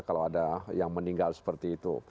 kalau ada yang meninggal seperti itu